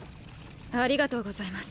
ありがとうございます。